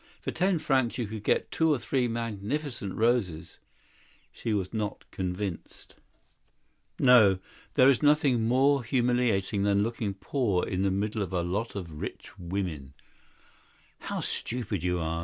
For ten francs you can get two or three magnificent roses." She was not convinced. "No; there's nothing more humiliating than to look poor among other women who are rich." "How stupid you are!"